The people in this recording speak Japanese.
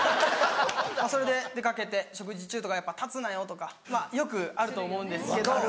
それで出掛けて食事中とかやっぱ「立つなよ」とかよくあると思うんですけど。